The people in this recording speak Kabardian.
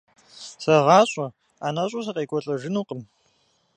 ЗэгъащӀэ, ӀэнэщӀу сыкъекӀуэлӀэжынукъым.